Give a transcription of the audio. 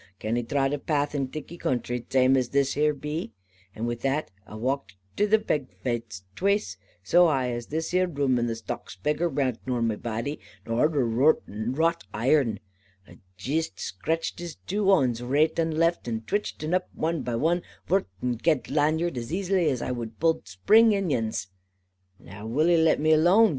Can 'e trod a path in thiccy country, zame as this here be?' And wi' that, a walked into the beg fuzz, twaice so haigh as this here room, and the stocks begger round nor my body, and harder nor wrought hiern. A jist stratched his two hons, raight and left, and twitched un up, wan by wan, vor ten gude lanyard, as asily as ai wud pull spring inyons. 'Now, wull e let me lone?